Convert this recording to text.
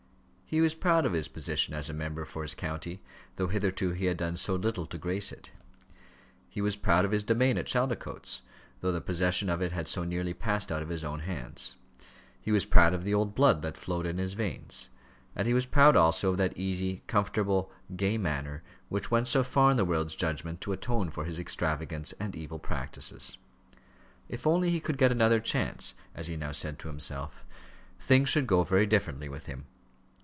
He was proud of his position as member for his county, though hitherto he had done so little to grace it; he was proud of his domain at Chaldicotes, though the possession of it had so nearly passed out of his own hands; he was proud of the old blood that flowed in his veins; and he was proud also of that easy, comfortable, gay manner, which went so far in the world's judgment to atone for his extravagance and evil practices. If only he could get another chance, as he now said to himself, things should go very differently with him.